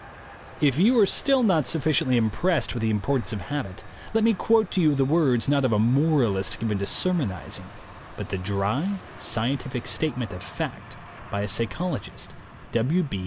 If you are still not sufficiently impressed with the importance of habit, let me quote to you the words, not of a moralist given to sermonizing, but the dry scientific statement of fact by a psycholo gist, W.